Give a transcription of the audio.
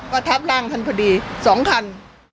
พัดทับล่างทันพอดี๒คัน